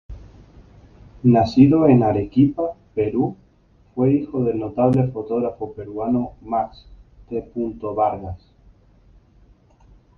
Nacido en Arequipa, Perú, fue hijo del notable fotógrafo peruano Max T. Vargas.